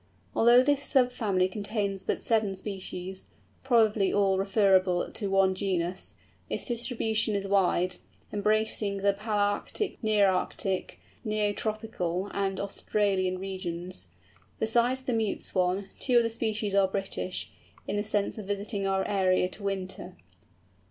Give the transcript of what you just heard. Although this sub family contains but seven species, probably all referable to one genus, its distribution is wide, embracing the Palæarctic, Nearctic, Neo tropical, and Australian regions. Besides the Mute Swan, two other species are British, in the sense of visiting our area to winter.